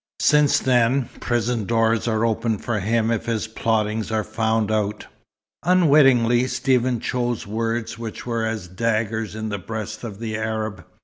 Since then, prison doors are open for him if his plottings are found out." Unwittingly Stephen chose words which were as daggers in the breast of the Arab.